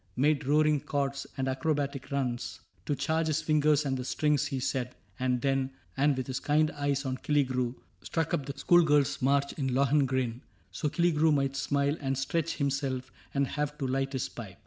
CAPTAIN CRAIG 83 Made roaring chords and acrobatic runs — To charge his fingers and the strings, he said, — And then, with his kind eyes on Killigrew, Struck up the schoolgirls* march in Lohengrin^ So Killigrew might smile and stretch himself And have to light his pipe.